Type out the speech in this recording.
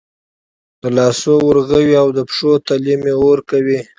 د لاسو ورغوي او د پښو تلې مې اور کوي